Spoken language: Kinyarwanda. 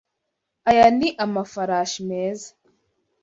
Aya ni amafarashi meza.